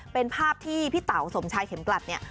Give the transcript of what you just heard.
เป็นภาพที่พี่เต๋าสมชายเข็มกลัดเนี่ย